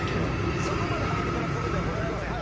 そこまでハイテクなことではございません。